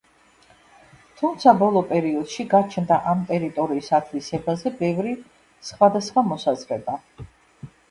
თუმცა ბოლო პერიოდშ გაჩნდა ამ ტერიტორიის ათვისებაზე ბევრი სხვადასხვა მოსაზრება.